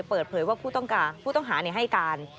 เปิดเผยว่าผู้ต้องหาให้การ